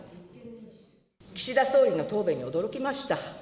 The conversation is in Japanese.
岸田総理の答弁に驚きました。